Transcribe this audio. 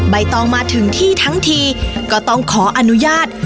ใบตองมาถึงที่ทั้งทีก็ต้องขออนุญาต